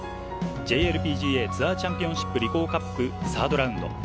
ＪＬＰＧＡツアーチャンピオンシップリコーカップ３ｒｄラウンド。